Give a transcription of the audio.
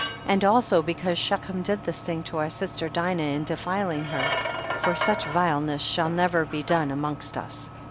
35. And also because Shechem did this thing to our sister Dinah in defiling her, for such vileness shall never be done amongst us.